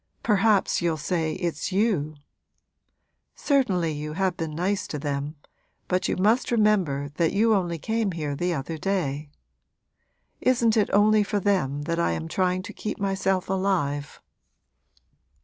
Perhaps you'll say it's you! Certainly you have been nice to them, but you must remember that you only came here the other day. Isn't it only for them that I am trying to keep myself alive?'